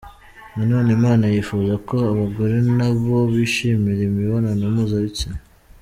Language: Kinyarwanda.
Nanone Imana yifuza ko abagore na bo bishimira imibonano mpuzabitsina.